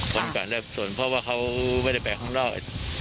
คนการได้สวนเพราะว่าเขาไม่ได้ไปข้างล่าง